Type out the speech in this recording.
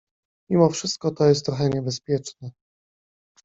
— Mimo wszystko to jest trochę niebezpieczne.